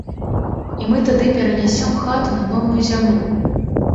І мы тады перанясём хату на новую зямлю.